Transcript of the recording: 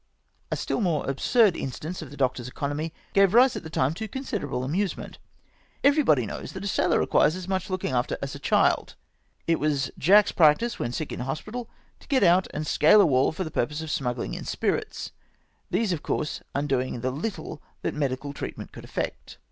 A still more absurd instance of the doctor's economy gave rise at the time to considerable amusement. Every body knows that a sailor requires as much looking after as a child. It was Jack's practice when sick in hospital, to get out and scale a wall for the purpose of smugghng in spirits, these of course undoing the little that medical treatment could effect.